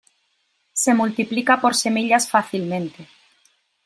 Se multiplica por semillas fácilmente.